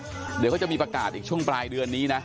เดี๋ยวเขาจะมีประกาศอีกช่วงปลายเดือนนี้นะ